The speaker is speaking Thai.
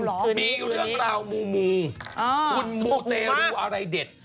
ถ้าคุณมีเรื่องราวมูคุณมูเตรูอะไรเด็ด